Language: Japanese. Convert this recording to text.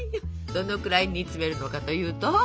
どのくらい煮詰めるのかというと。